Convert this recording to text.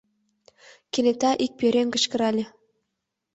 Кенета ик пӧръеҥ кычкырале: